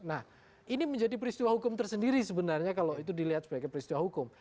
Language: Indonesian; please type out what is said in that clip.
nah ini menjadi peristiwa hukum tersendiri sebenarnya kalau itu dilihat sebagai peristiwa hukum